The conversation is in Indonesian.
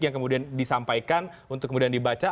yang kemudian disampaikan untuk kemudian dibaca